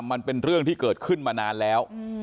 มันเป็นเรื่องที่เกิดขึ้นมานานแล้ว